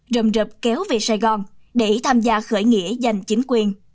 rầm rập kéo về sài gòn để tham gia khởi nghĩa giành chính quyền